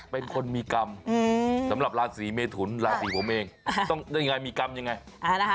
เป็นคนมีกรรมสำหรับราศีเมฑุรราศีผมเองมีกรรมยังไง